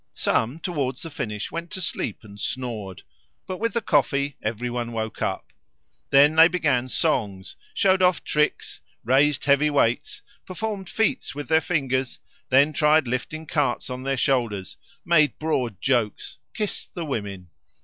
Some towards the finish went to sleep and snored. But with the coffee everyone woke up. Then they began songs, showed off tricks, raised heavy weights, performed feats with their fingers, then tried lifting carts on their shoulders, made broad jokes, kissed the women.